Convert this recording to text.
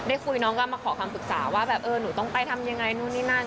ได้คุยน้องกันมาขอคำปรึกษาว่าหนูต้องไปทำอย่างไรนู่นนี่นั่น